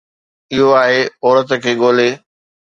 اهو آهي، عورت کي ڳولي.